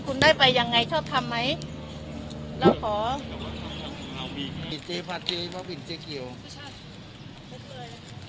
คุณได้ไปยังไงชอบทำไหมแล้วขอ